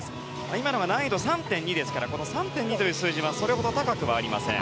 今のが難易度３．２ですからこの３．２という数字はそれほど高くありません。